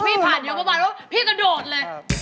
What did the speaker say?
ผ่านเดี๋ยวประมาณว่าพี่กระโดดเลย